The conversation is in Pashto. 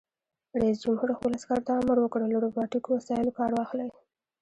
رئیس جمهور خپلو عسکرو ته امر وکړ؛ له روباټیکو وسایلو کار واخلئ!